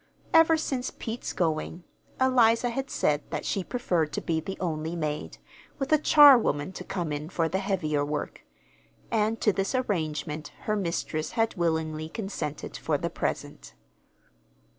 Ever since Pete's going, Eliza had said that she preferred to be the only maid, with a charwoman to come in for the heavier work; and to this arrangement her mistress had willingly consented, for the present.